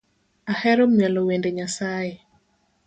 Ahero mielo wende Nyasae